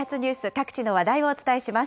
各地の話題をお伝えします。